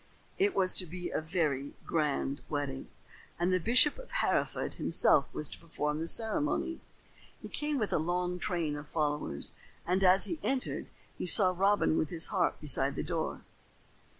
It was to be a very grand wedding, and the Bishop of Hereford himself was to perform the ceremony. He came with a long train of followers, and as he entered he saw Robin with his harp beside the door.